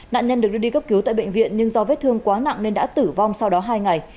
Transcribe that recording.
nạn nhân được đưa đi cấp cứu tại bệnh viện nhưng do vết thương quá nặng nên đã tử vong sau đó hai ngày